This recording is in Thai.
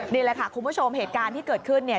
นี่แหละค่ะคุณผู้ชมเหตุการณ์ที่เกิดขึ้นเนี่ย